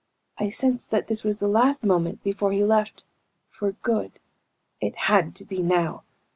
I sensed that this was the last moment before he left for good. It had to be now!